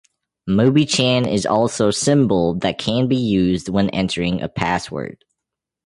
Mobichan is also symbol that can be used when entering a password.